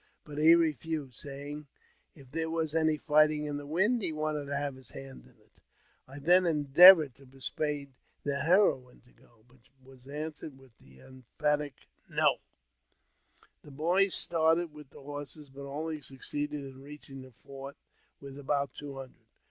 But he refused, saying, if there was any fighting in the wind, he wanted to have his hand in it. I then endeavoured to persuade the heroine to go, but was answered with an emphatic " No !" The boys started with the horses, but only succeeded in reaching the fort with about two hundred.